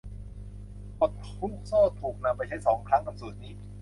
กฎลูกโซ่ถูกนำไปใช้สองครั้งกับสูตรนี้